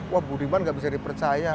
wah budiman gak bisa dipercaya